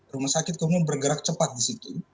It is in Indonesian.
rumah sakit umum bergerak cepat di situ